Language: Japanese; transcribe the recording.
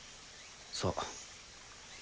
そう。